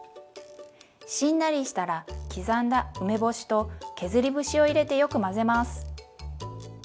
しんなりしたら刻んだ梅干しと削り節を入れてよく混ぜます。